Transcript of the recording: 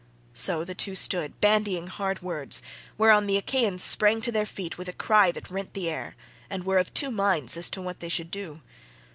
So the two stood bandying hard words, whereon the Achaeans sprang to their feet with a cry that rent the air, and were of two minds as to what they should do.